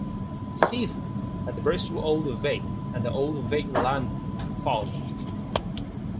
Seasons at the Bristol Old Vic and the Old Vic, London, followed.